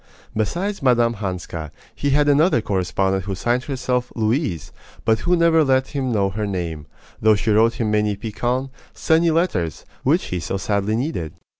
Besides Mme. Hanska, he had another correspondent who signed herself "Louise," but who never let him know her name, though she wrote him many piquant, sunny letters, which he so sadly needed.